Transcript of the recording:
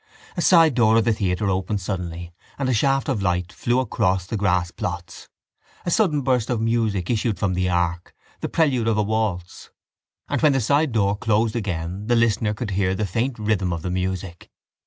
A side door of the theatre opened suddenly and a shaft of light flew across the grassplots. A sudden burst of music issued from the ark, the prelude of a waltz: and when the side door closed again the listener could hear the faint rhythm of the music.